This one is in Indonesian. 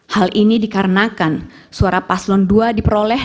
hal ini dikarenakan suara paslon dua diperoleh